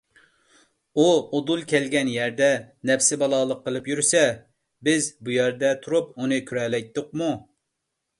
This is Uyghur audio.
ئۇ ئۇدۇل كەلگەن يەردە نەپسى بالالىق قىلىپ يۈرسە، بىز بۇ يەردە تۇرۇپ ئۇنى كۆرەلەيتتۇقمۇ؟